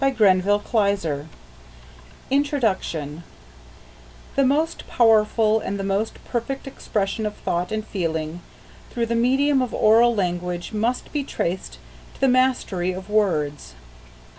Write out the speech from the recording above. MISCELLANEOUS PHRASES INTRODUCTION The most powerful and the most perfect expression of thought and feeling through the medium of oral language must be traced to the mastery of words.